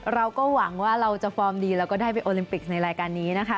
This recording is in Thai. เราก็หวังว่าเราจะฟอร์มดีแล้วก็ได้ไปโอลิมปิกในรายการนี้นะคะ